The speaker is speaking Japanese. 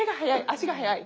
足が早い？